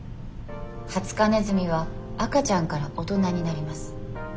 ハツカネズミは赤ちゃんから大人になります。